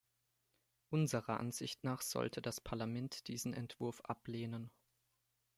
Unserer Ansicht nach sollte das Parlament diesen Entwurf ablehnen.